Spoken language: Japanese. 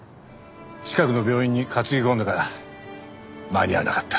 近くの病院に担ぎ込んだが間に合わなかった。